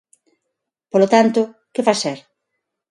Polo tanto, que facer?